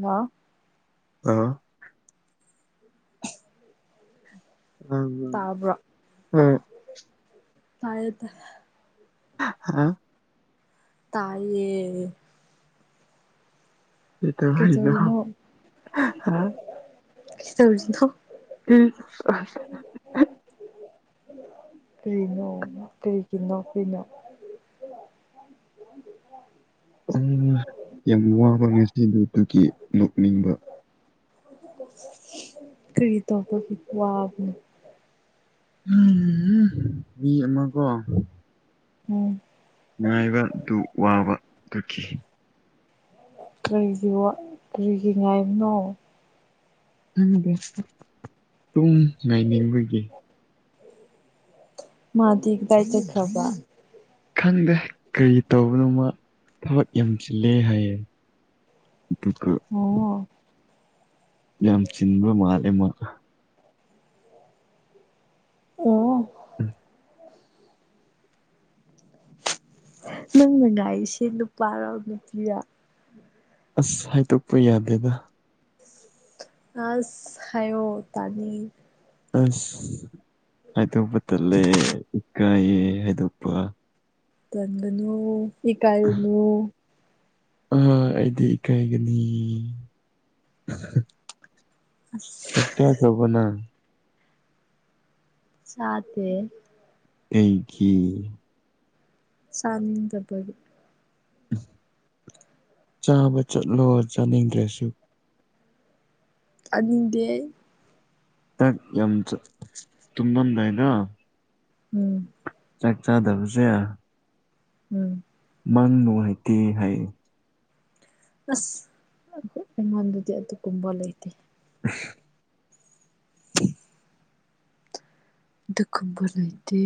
Hello ꯑꯥ ꯇꯥꯕ꯭ꯔꯣ [unintelligible] ꯇꯥꯢꯌꯦ ꯇꯥꯢ [unintelligible] ꯇꯥꯏꯌꯦ ꯀꯩꯗꯧꯔꯤꯅꯣ ꯍꯥ ꯀꯦꯗꯧꯔꯤꯅꯣ ꯀꯩꯗꯧꯔꯤꯅꯣ ꯎꯝ ꯀꯔꯤꯅꯣ ꯀꯩꯒꯤ ꯅꯣꯛꯏꯅꯣ ꯎꯝ ꯌꯥꯝ ꯋꯥꯕ ꯉꯁꯤꯗꯣ ꯑꯗꯨꯒꯤ ꯅꯣꯛꯅꯤꯡꯕ ꯀꯔꯤ ꯇꯧꯕꯒꯤ ꯋꯥꯕꯅꯣ ꯎꯝꯍꯨꯝ ꯃꯤ ꯑꯃꯀꯣ ꯎꯝ ꯉꯥꯏꯕ ꯗꯨ ꯋꯥꯕ ꯑꯗꯨꯒꯤ꯫ ꯀꯔꯤꯒꯤ ꯋꯥ ꯀꯔꯤꯒꯤ ꯉꯥꯏꯕꯅꯣ ꯈꯪꯗꯦ ꯇꯨꯝ ꯂꯩꯅꯤꯡꯕꯒꯤ꯫ ꯃꯥꯗꯤ ꯀꯗꯥꯏ ꯆꯠꯈ꯭ꯔꯥꯕ ꯈꯪꯗꯦ ꯀ꯭ꯔꯤ ꯇꯧꯕꯅꯣ ꯃꯥ ꯊꯕꯛ ꯌꯥꯝ ꯆꯤꯜꯂꯦ ꯍꯥꯏꯌꯦ ꯑꯗꯨꯒ ꯑꯣ ꯌꯥꯝ ꯆꯤꯟꯕ ꯃꯥꯜꯂꯦ ꯃꯥ ꯑꯣ [unintelligible] ꯅꯪꯅ ꯉꯥꯏꯔꯤꯁꯦ ꯅꯨꯄꯥꯔꯣ ꯅꯨꯄꯤꯔ ꯑꯁ ꯍꯥꯏꯗꯣꯛꯄ ꯌꯥꯗꯦꯗ꯫ ꯑꯁ ꯍꯥꯏꯌꯣ ꯇꯥꯅꯤꯡꯉꯤ꯫ ꯑꯁ ꯍꯥꯏꯗꯣꯛꯄ ꯇꯠꯂꯦ ꯏꯀꯥꯏꯌꯦ ꯍꯥꯏꯗꯣꯛꯄ ꯇꯟꯒꯅꯨ ꯏꯀꯥꯔꯨꯅꯨ꯫ ꯑ ꯑꯩꯗꯤ ꯏꯀꯥꯏꯒꯅꯤ ꯑꯁ꯫ ꯆꯥꯛ ꯆꯗꯕ ꯅꯪ ꯆꯥꯗꯦ ꯑꯩꯀꯤ ꯆꯥꯅꯤꯡꯗꯕꯒꯤ ꯆꯥꯕ ꯆꯠꯂꯣ ꯆꯥꯅꯤꯡꯗ꯭ꯔꯁꯨ ꯑꯅꯤꯡꯗꯦ ꯆꯥꯛ ꯌꯥꯝ ꯆꯥ ꯇꯨꯝꯃꯝꯗꯥꯏꯗꯣ ꯎꯝ ꯆꯥꯛ ꯆꯥꯗꯕꯁꯦ ꯎꯝ꯫ ꯃꯪ ꯅꯨꯡꯉꯥꯏꯇꯦ ꯍꯥꯏꯌꯦ ꯑꯁ ꯑꯩꯉꯣꯟꯗꯗꯤ ꯑꯗꯨꯒꯨꯝꯕ ꯂꯩꯇꯦ ꯑꯝ ꯗꯗꯨꯀꯨꯝꯕ ꯂꯩꯇꯦ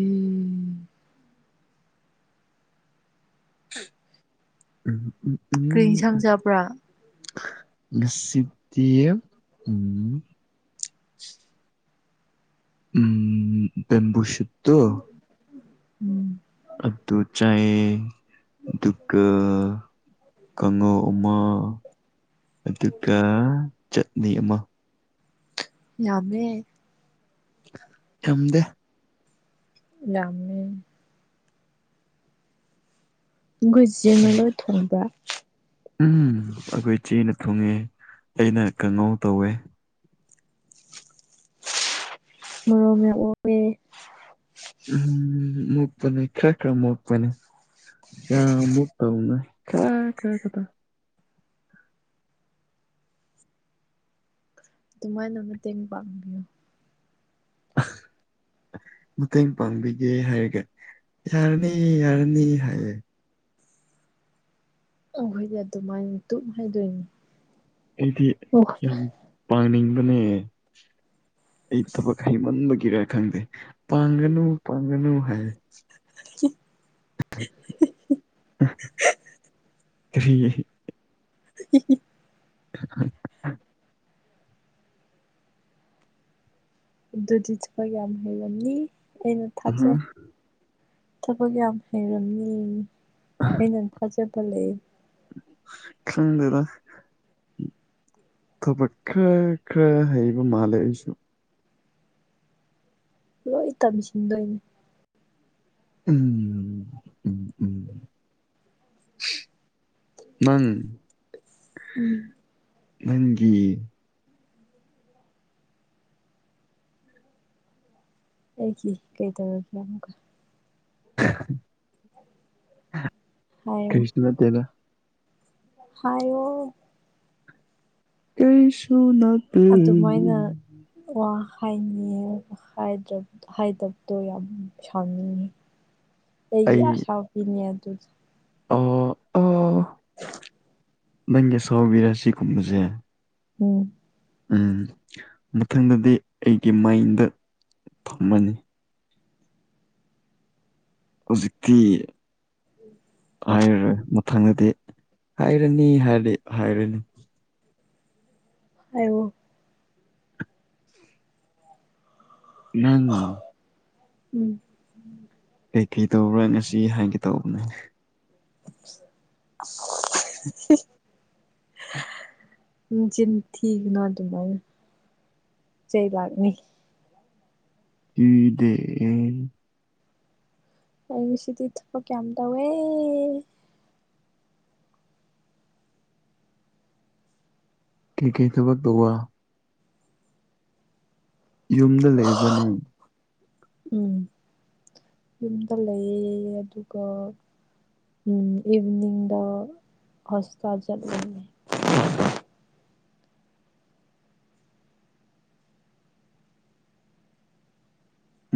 ꯎꯝ ꯎꯝ ꯀ꯭ꯔꯤ ꯍꯤꯖꯥꯡ ꯆꯕ꯭ꯥꯔ ꯅꯪ ꯁꯤꯗ ꯎꯝ [unintelligible] ꯎꯝ ꯑꯗꯨ ꯆꯥꯏꯌꯦ꯫ ꯗꯨꯀ ꯀꯥꯡꯉꯧꯃꯥ ꯑꯗꯨꯒ ꯆꯠꯅꯤ ꯑꯃ ꯌꯥꯝꯃꯦ ꯊꯝꯗꯦ ꯌꯥꯝꯃꯦ ꯒꯨꯖꯤꯅ ꯎꯝ ꯂꯣꯏ ꯊꯣꯡꯕ ꯎꯝ ꯑꯩꯈꯣꯏ ꯏꯆꯦꯅ ꯊꯨꯡꯉꯦ ꯑꯩꯅ ꯀꯥꯡꯉꯧ ꯇꯧꯋꯦ [unintelligible] ꯎꯝ ꯃꯨꯛꯄꯅꯤ ꯈꯔ ꯈꯔ ꯃꯣꯛꯄꯅꯤ ꯌꯥꯝ ꯃꯨꯛ ꯇꯧꯅ ꯀ ꯀꯗꯕ ꯑꯗꯨꯃꯥꯏꯅ ꯃꯇꯦꯡ ꯄꯥꯡꯕꯤꯌꯨ [inaudible] ꯃꯇꯦꯡ ꯄꯥꯡꯕꯤꯒꯦ ꯍꯥꯏꯔꯒ ꯌꯥꯔꯅꯤ ꯌꯥꯔꯅꯤ ꯍꯥꯏꯌꯦ ꯑ ꯑꯩꯣꯏꯗꯤ ꯑꯗꯨꯃꯥꯏꯅ ꯇꯨꯞ ꯍꯥꯏꯗꯣꯏꯅꯤ ꯑꯩꯗꯤ ꯑꯣ ꯌꯥꯝ ꯄꯥꯡꯅꯤꯡꯕꯅꯦ ꯑꯩ ꯊꯕꯛ ꯍꯩꯃꯟꯕꯒꯤꯔ ꯈꯪꯗꯦ ꯄꯥꯡꯒꯅꯨ ꯄꯥꯡꯒꯅꯨ ꯍꯥꯏ꯫ [unintelligible] [inaudible] [unintelligible] ꯑꯗꯨꯗꯤ ꯊꯕ ꯀꯌꯥꯝ ꯍꯩꯒꯅꯤ ꯑꯩꯅ ꯑꯍ ꯊꯥꯖꯩ ꯊꯕꯛ ꯌꯥꯝ ꯍꯩꯔꯝꯃꯤ ꯑꯩꯅ ꯊꯥꯖꯕ ꯂꯩ ꯈꯪꯗꯦꯗ ꯊꯕꯛ ꯈꯔ ꯈꯔ ꯍꯩꯕ ꯃꯥꯜꯂꯦ ꯑꯩꯁꯨ ꯂꯣꯏ ꯇꯝꯁꯤꯟꯗꯣꯏꯅꯦ ꯎꯝ ꯎꯝ ꯎꯝ ꯅꯪ ꯎꯝ ꯅꯪꯒꯤ ꯑꯩꯒꯤ ꯀꯩꯇꯧꯔꯒꯦ ꯑꯃꯨꯛꯀ ꯍꯥꯏꯌꯨ ꯀꯔꯤꯁꯨ ꯅꯠꯇꯦꯗ ꯍꯥꯢꯌꯣ ꯀꯔꯤꯁꯨꯅꯠ ꯑꯗꯨꯃꯥꯏꯅ ꯋꯥ ꯍꯥꯏꯅꯤꯉꯦ ꯍꯥꯏꯗ꯭ꯔꯕ ꯍꯥꯏꯗꯕꯇꯣ ꯌꯥꯝ ꯁꯥꯎꯅꯤꯡꯉꯤ ꯑꯩꯒꯤ ꯑꯩ ꯑꯁꯥꯎꯕꯤꯅꯤ ꯑꯗꯨ ꯑꯣ ꯑꯣ ꯅꯪꯒꯤ ꯁꯥꯎꯕꯤꯔ ꯁꯤꯒꯨꯝꯕꯁꯦ ꯎꯝ ꯎꯝ ꯃꯊꯪꯗꯗꯤ ꯑꯩꯒꯤ ꯃꯥꯏꯟꯗ ꯊꯝꯃꯅꯤ ꯍꯧꯖꯤꯛꯇꯤ ꯎꯝ ꯍꯥꯏꯔꯔꯣꯏ ꯃꯊꯪꯗꯗꯤ ꯍꯥꯏꯔꯅꯤ ꯍꯥꯏꯔꯗꯤ ꯍꯥꯏꯔꯅꯤ ꯍꯥꯏꯋꯣ ꯅꯪ ꯎꯝ ꯀꯩꯀꯩ ꯇꯧꯕ꯭ꯔꯥ ꯉꯁꯤ ꯍꯥꯏꯒꯦ ꯇꯧꯕꯅꯦ [inaudible] [unintelligible] ꯆꯤꯟ ꯊꯤꯒꯅꯣ ꯑꯗꯨꯃꯥꯏꯅ ꯆꯩ ꯂꯥꯛꯅꯤ ꯊꯤꯗꯦ ꯑꯩ ꯉꯁꯤꯗꯤ ꯊꯕꯛ ꯌꯝ ꯇꯧꯋꯦ ꯀꯩ ꯀꯩ ꯊꯕꯛ ꯇꯧꯕ ꯌꯨꯝꯗ ꯂꯩꯕꯔꯥ ꯅꯪ ꯎꯝ ꯌꯨꯝꯗ ꯂꯩꯌꯦ ꯑꯗꯨꯒ ꯎꯝ ꯏꯚꯅꯤꯡꯗ ꯍꯣꯁꯇꯥꯜ ꯆꯠꯂꯦ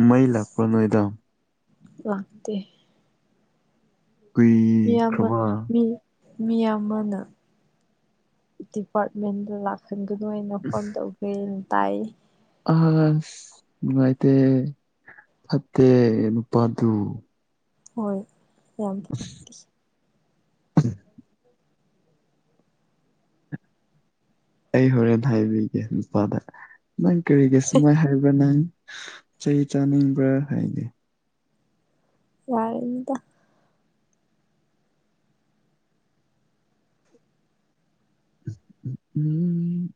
ꯃꯩ ꯂꯥꯛꯄ꯭ꯔ ꯅꯣꯏꯗꯣ ꯂꯥꯛꯇꯦ ꯃꯤ ꯑꯝꯕ ꯀꯨꯏꯈ꯭ꯔꯕ ꯃꯤ [inaudible] ꯃꯤ ꯑꯃꯅ ꯗꯤꯄꯥꯔꯠꯃꯦꯟꯗ ꯂꯥꯛ ꯈꯟꯒꯅꯨꯅ ꯐꯣꯟ ꯇꯧꯈ꯭ꯔꯦꯅ ꯇꯥꯏ ꯑꯁ ꯅꯨꯡꯉꯥꯏꯇꯦ ꯐꯠꯇꯦ ꯅꯨꯄꯥꯗꯨ ꯍꯣꯏ ꯌꯥꯝꯗꯤ [inaudible] ꯑꯩ ꯍꯣꯔꯦꯟ ꯍꯥꯏꯕꯤꯒꯦ ꯅꯨꯄꯥꯗ ꯅꯪ ꯀꯔꯤꯒꯤ ꯑꯁꯨꯃꯥꯏ ꯍꯥꯏꯕ꯭ꯔꯥ ꯅꯪ ꯆꯩ ꯆꯥꯅꯤꯡꯕ꯭ꯔꯥ ꯍꯥꯏꯒꯦ ꯌꯥꯔꯅꯤꯗ ꯎꯝ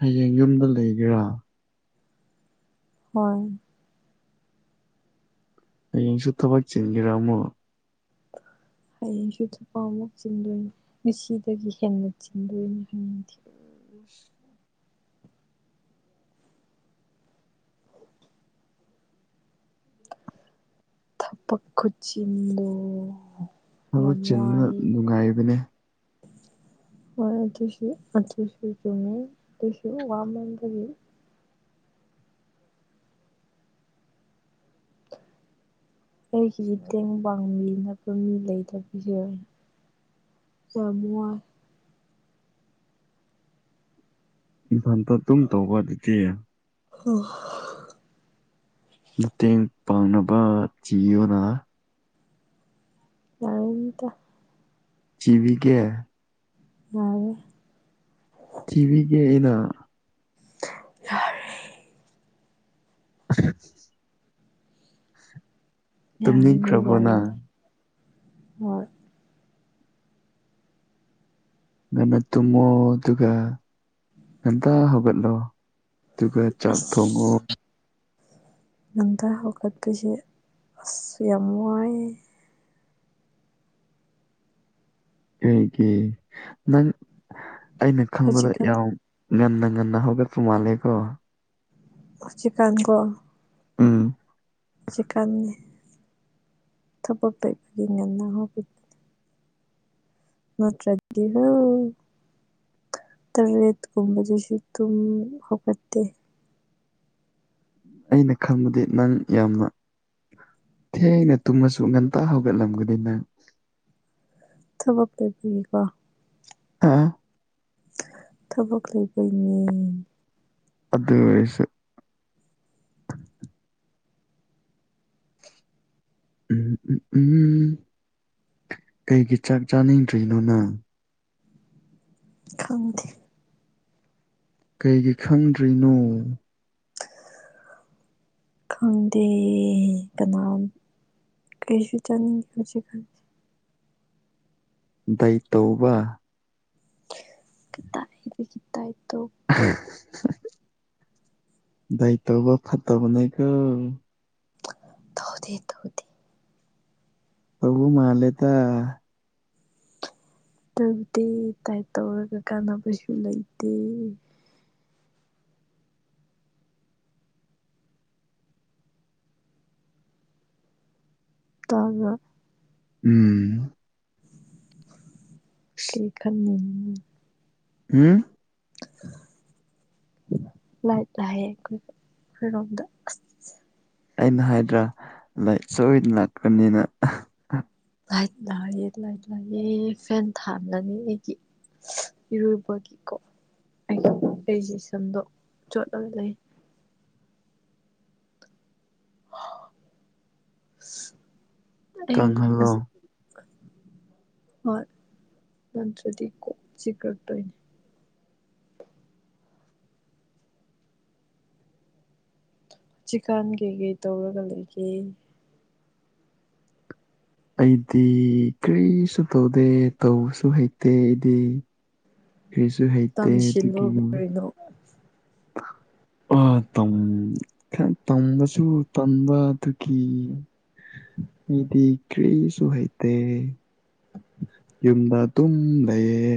ꯍꯌꯦꯡ ꯌꯨꯝꯗ ꯂꯩꯒꯦꯔꯥ ꯍꯣꯏ ꯍꯌꯦꯡꯁꯨ ꯊꯕꯛ ꯆꯤꯟꯈꯤꯔ ꯑꯃꯨꯛ ꯍꯌꯦꯁꯨ ꯊꯕꯛ ꯑꯃꯨꯛ ꯆꯤꯟꯗꯣꯏꯅꯤ [inaudible] ꯎꯝ [inaudible] ꯊꯕꯛ ꯈꯨꯨꯆꯤꯟꯗꯣ ꯊꯕꯛ ꯆꯤꯟꯕꯅ ꯅꯨꯡꯉꯥꯏꯕꯅꯦ [inaudible] ꯍꯣꯏ ꯑꯗꯨꯁꯨ ꯑꯗꯨꯁꯨ ꯆꯨꯝꯃꯤꯩ ꯑꯗꯨꯁꯨ ꯋꯥꯃꯟꯕꯒꯤ ꯑꯩꯒꯤ ꯃꯇꯦꯡ ꯄꯥꯡꯕꯤꯅꯕ ꯃꯤ ꯂꯩꯇꯕꯩꯖꯨꯑꯣꯏ ꯌꯥꯝ ꯋꯥꯏ ꯅꯊꯟꯇ ꯑꯗꯨꯝ ꯇꯧꯕ ꯑꯗꯨꯗꯤ [unintelligible] ꯃꯇꯦꯡ ꯄꯥꯡꯅꯕ ꯊꯤꯌꯣꯅ ꯌꯥꯔꯅꯤꯗ ꯆꯖꯤꯕꯤ ꯀꯦ ꯌꯥꯔꯦ ꯊꯤꯕꯤꯒꯦ ꯑꯩꯅ ꯌꯥꯔꯦ ꯌꯥꯔꯅꯤ ꯇꯨꯝꯅꯤꯈ꯭ꯔꯕꯣꯅ ꯌꯥꯔꯅꯤ ꯍꯣꯏ ꯉꯟꯅ ꯇꯨꯝꯃꯣ ꯑꯗꯨꯒ ꯍꯦꯟꯇ ꯍꯧꯒꯠꯂꯣ ꯑꯗꯨꯒ ꯆꯥꯛ ꯊꯣꯡꯉꯣ ꯑꯁ ꯉꯟꯇꯥ ꯍꯧꯒꯠꯄꯁꯦ ꯑꯁ ꯌꯥꯝ ꯋꯥꯏꯌꯦ ꯀꯩꯒꯤ ꯅꯪ ꯑꯩꯅ ꯈꯪꯕꯗ ꯍꯧꯖꯤꯛꯀꯥꯟ ꯌꯥꯝ ꯉꯟꯅ ꯉꯟꯅ ꯍꯧꯒꯠꯄ ꯃꯥꯥꯂꯦꯀꯣ ꯆꯤꯀꯥꯡꯒꯣ ꯎꯝ [unintelligible] ꯅꯠꯇ꯭ꯔꯗꯤ ꯍꯥ ꯇꯔꯦꯠ ꯀꯨꯝꯕꯗꯨꯁꯨ ꯇ ꯍꯈꯦ ꯑꯩꯅ ꯈꯪꯕꯗꯤ ꯅꯪ ꯌꯥꯝꯅ ꯊꯦꯡꯅ ꯇꯨꯝꯃꯁꯨ ꯉꯟꯇꯥ ꯍꯧꯒꯠꯂꯝꯒꯅꯤ ꯅꯪ ꯊꯕꯛ ꯂꯩꯕꯤꯒꯀꯣ [unintelligible] ꯊꯕꯛ ꯂꯩꯕꯩꯅꯦ ꯑꯗꯨ ꯑꯣꯏꯔꯁꯨ [inaudible] ꯎꯝ ꯎꯝ ꯎꯝ ꯀꯩꯒꯤ ꯆꯥꯛ ꯆꯥꯅꯤꯡꯗ꯭ꯔꯤꯅꯣ ꯅꯪ ꯈꯥꯎꯗꯤꯦ ꯀꯩꯒꯤ ꯈꯪꯗ꯭ꯔꯤꯅꯣ ꯈꯪꯗꯦ ꯀꯅꯥ ꯑꯩꯁꯨ ꯆꯥꯅꯤꯡꯗꯦ ꯉꯁꯤ ꯗꯥꯏꯠ ꯇꯧꯕ ꯀꯗꯏꯗꯒꯤ [unintelligible] ꯗꯥꯢꯠ ꯇꯧꯕ ꯐꯠꯇꯕꯅꯦꯀꯣ ꯇꯥꯎꯗꯦ ꯇꯧꯗꯦ ꯑꯕꯨ ꯃꯥꯂꯦꯇ ꯇꯧꯗꯦ ꯇꯥꯏꯠ ꯇꯧꯔꯒ ꯀꯥꯟꯅꯕꯁꯨ ꯂꯩꯇꯦ ꯇꯥꯕ꯭ꯔꯣ ꯎꯝ [unintelligible] [unintelligible] ꯂꯥꯛ ꯂꯥꯛꯑꯦ ꯑꯩꯈꯣꯏꯔꯣꯝꯗ ꯑꯁ ꯑꯩꯅ ꯍꯥꯏꯗ꯭ꯔꯥ ꯂꯥꯏꯔꯤ ꯁꯣꯏꯗꯅ ꯂꯥꯛꯄ꯭ꯔꯕꯅꯤꯅ ꯂꯥꯏꯠ ꯂꯅꯥꯥꯏꯌꯦ ꯂꯥꯏꯠ ꯂꯥꯏꯑ ꯐꯦꯟ ꯊꯥꯂꯅꯤ ꯑꯩꯒꯤ ꯏꯔꯨꯕꯒꯤꯀꯣ ꯑꯩ ꯑꯩꯁꯦ ꯁꯝꯗꯣ ꯆꯣꯠꯂꯒ ꯂꯩ ꯑꯩ ꯀꯪꯍꯜꯂꯣ ꯍꯣꯏ ꯅ꯭ꯔꯗꯤ ꯀ ꯆꯀ꯭ꯔꯦꯠꯇꯅꯦ ꯆꯤꯀꯥꯟ ꯀꯩꯀꯩ ꯇꯧꯔꯒ ꯂꯩꯒꯦ ꯑꯩꯗꯤ ꯀꯔꯤꯁꯨ ꯇꯧꯗꯦ ꯇꯧꯁꯨ ꯍꯩꯇꯦ ꯑꯩꯗꯤ ꯀ꯭ꯔꯤꯁꯨ ꯍꯩꯇꯦ ꯇꯝꯁꯤꯜꯂꯣ ꯑꯗꯨꯗꯤ ꯅꯪ ꯀꯔꯤꯅꯣ ꯑꯥ ꯇꯝ [inaudible] ꯈꯔ ꯇꯝꯕꯁꯨ ꯇꯝꯕ ꯑꯗꯨꯒꯤ ꯏꯗꯤ ꯀꯔꯤꯁꯨ ꯍꯥꯏꯩꯇ ꯌꯨꯝꯗ ꯑꯗꯨꯝ ꯂꯩꯌꯦ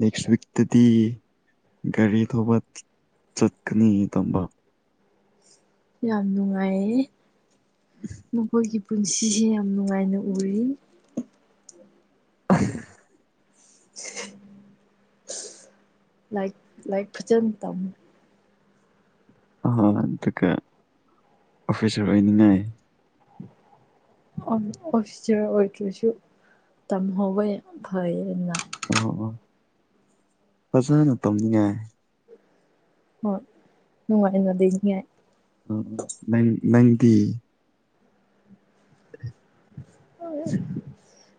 ꯅꯦꯛꯁ ꯋꯤꯛꯇꯗꯤ ꯒꯥꯔꯤ ꯊꯧꯕ ꯆꯠꯀꯅꯤ ꯇꯝꯕ ꯌꯥꯝ ꯅꯨꯡꯉꯥꯏꯌꯦ ꯃꯈꯣꯏꯒꯤ ꯄꯨꯟꯁꯤꯁꯦ ꯌꯥꯝ ꯅꯨꯡꯉꯥꯏꯅ ꯎꯔꯤ ꯑ ꯂꯥꯏꯛ ꯂꯥꯏꯛ ꯐꯆꯟ ꯇ ꯍꯣꯏ ꯑꯗꯨꯒ ꯑꯣꯐꯤꯁꯔ ꯑꯣꯏꯅꯤꯡꯉꯥꯏ ꯎꯝ ꯑꯣꯐꯁ꯭ꯇꯤꯌꯔ ꯑꯣꯏꯗ꯭ꯔꯁꯨ ꯇꯝꯍꯧꯕ ꯌꯥꯝ ꯐꯩꯌꯦꯅ ꯑꯣ ꯑꯣ ꯐꯖꯅ ꯇꯧꯅꯤꯡꯉꯥꯏ ꯍꯣꯏ ꯅꯨꯡꯉꯥꯏꯅꯗꯤꯡꯉꯦ ꯅꯥꯏꯟꯇꯤ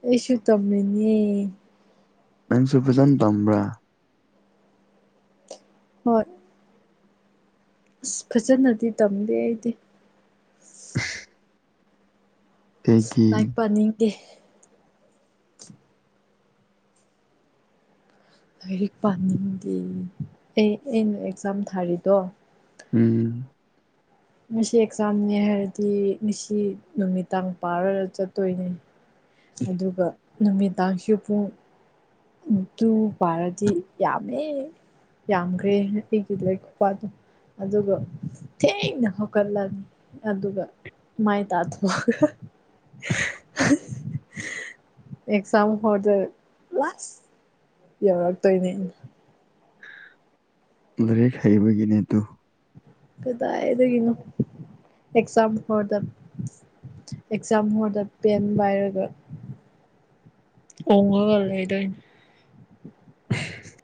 ꯑꯦꯁꯨ ꯇꯝꯃꯦꯃꯤꯅꯤ ꯅꯪꯁꯨ ꯐꯖꯅ ꯇꯝꯕ꯭ꯔꯥ ꯍꯣꯏ ꯑꯁ ꯐꯖꯅꯗꯤ ꯇꯝꯗꯦ ꯑꯩꯗꯤ [unintelligible] ꯀꯩꯒꯤ ꯂꯥꯛꯄꯅꯤꯡꯗꯦ ꯂꯥꯏꯔꯤꯛ ꯄꯥꯅꯤꯡꯗꯦ ꯑꯩ ꯑꯩꯅ ꯑꯦꯛꯖꯥꯝ ꯊꯥꯔꯤꯗꯣ ꯎꯝ ꯉꯁꯤ ꯑꯦꯛꯖꯥꯝꯅꯦ ꯍꯥꯏꯔꯗꯤ ꯉꯁꯤ ꯅꯨꯃꯤꯗꯡ ꯄꯥꯔ꯭ꯒꯥ ꯆꯠꯇꯣꯏꯅꯦ ꯑꯗꯨꯒ ꯅꯨꯃꯤꯗꯥꯡꯁꯨ ꯄꯨꯡ ꯇꯨꯡ ꯄꯔꯥꯗꯤ ꯌꯥꯃꯦ ꯌꯥꯝꯈꯦ ꯍꯒꯤꯗ ꯂꯩ ꯋꯥ ꯑꯗꯨ ꯑꯗꯨꯒ ꯊꯦꯡꯅ ꯍꯧꯀꯠꯂꯅꯤ ꯑꯗꯨꯒ ꯃꯥꯥꯏ ꯇ [unintelligible] ꯑꯦꯛꯖꯥꯝ ꯍꯧꯔꯗ ꯂꯥꯁ ꯌꯧꯔꯛꯇꯣꯏꯅꯦ ꯑꯩꯅ ꯂꯥꯏꯔꯤꯛ ꯍꯩꯕꯒꯤꯅꯦ ꯑꯗꯨ ꯀꯗꯥ ꯑꯗꯨ ꯀꯩꯅꯣ ꯑꯦꯛꯖꯥꯝ ꯐꯔꯗ ꯑꯦꯛꯖꯥꯝ ꯍꯣꯔꯗ ꯄꯦꯟ ꯄꯥꯏꯔꯒ ꯎꯉꯒ ꯂꯩꯗ [inaudible]